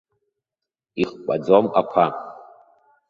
Ихкәаӡом ақәа.